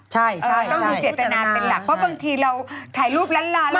ใช่ต้องมีเจตนาเป็นหลักเพราะบางทีเราถ่ายรูปล้าน